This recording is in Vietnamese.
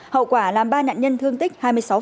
hậu quả làm ba nạn nhân thương tích hai mươi sáu